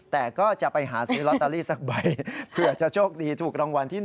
แต่ก็จะไปหาซื้อลอตเตอรี่สักใบเผื่อจะโชคดีถูกรางวัลที่๑